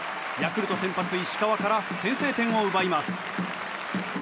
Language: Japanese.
ヤクルト先発、石川から先制点を奪います。